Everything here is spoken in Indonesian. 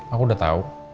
aku udah tau